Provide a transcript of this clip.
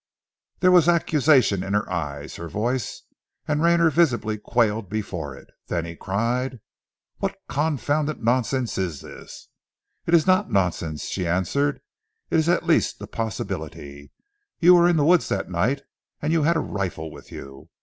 There was accusation in her eyes, her voice, and Rayner visibly quailed before it. Then he cried "What confounded nonsense is this?" "It is not nonsense," she answered. "It is at least a possibility. You were in the wood that night, and you had a rifle with you.